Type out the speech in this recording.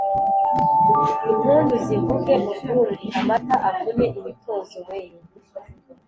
impundu zivuge urwunge, amata avune imitozo weee